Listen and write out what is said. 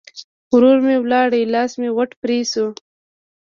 ورور م ولاړ؛ لاس مې غوټ پرې شو.